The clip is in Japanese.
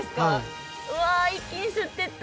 うわ一気に吸ってった。